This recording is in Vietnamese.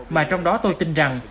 mà trong đó tôi tin rằng